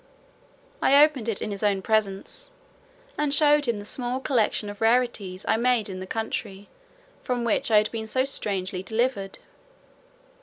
I opened it in his own presence, and showed him the small collection of rarities I made in the country from which I had been so strangely delivered.